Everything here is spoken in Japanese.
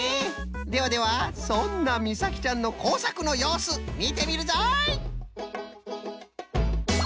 ではではそんなみさきちゃんのこうさくのようすみてみるぞい！